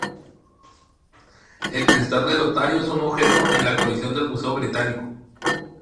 El cristal de Lotario es un objeto en la colección del Museo Británico.